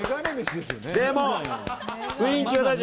でも、雰囲気は大事。